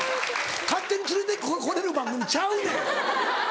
勝手に連れてこれる番組ちゃうねん。